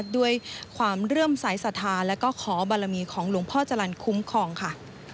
ด้วยความเรื่องสายสาธารณ์และขอบรรมีของหลวงพ่อจลันทร์คุ้มครองค่ะ